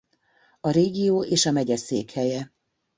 A régió és a megye székhelye.